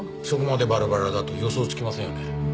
そこまでバラバラだと予想つきませんよね。